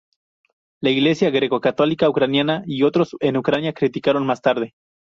La Iglesia greco-católica ucraniana y otros en Ucrania criticaron más tarde.